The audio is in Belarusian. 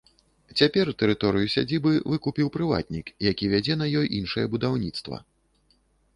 Цяпер тэрыторыю сядзібы выкупіў прыватнік, які вядзе на ёй іншае будаўніцтва.